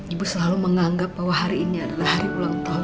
ibu selalu menganggap bahwa hari ini adalah hari ulang tahun